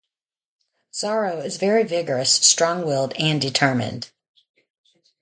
Zoro is very vigorous, strong-willed and determined.